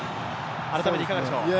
改めていかがでしょう。